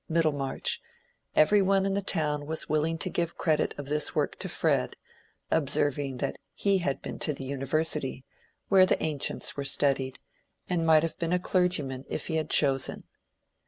Middlemarch, every one in the town was willing to give the credit of this work to Fred, observing that he had been to the University, "where the ancients were studied," and might have been a clergyman if he had chosen.